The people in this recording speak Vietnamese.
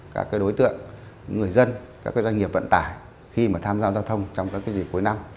các cái đối tượng người dân các cái doanh nghiệp vận tải khi mà tham gia giao thông trong các cái dịp cuối năm